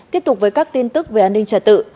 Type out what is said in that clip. tiếp tục với các tin tức về an ninh trả tự